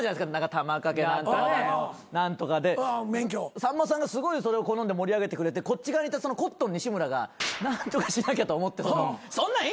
さんまさんがすごいそれを好んで盛り上げてくれてこっち側にいたコットン西村が何とかしなきゃと思って「そんなんいいんすよ！」